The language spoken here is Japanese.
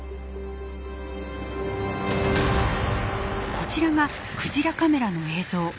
こちらがクジラカメラの映像。